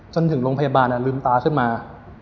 จนถึงโรงพยาบาลลืมตาขึ้นมา